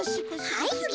はいつぎ。